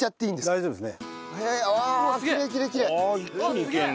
大丈夫です。